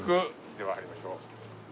では入りましょう。